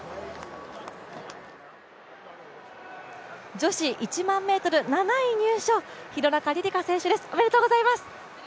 女子１００００ｍ７位入賞廣中璃梨佳選手です、おめでとうございます。